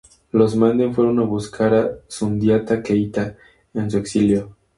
Los manden fueron a buscar a Sundiata Keita en su exilio.